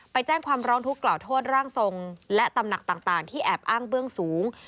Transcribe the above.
ไปแจ้งความร้องทุกข์กล่าวโทษร่างทรงและตำหนักต่างที่แอบอ้างเบื้องสูง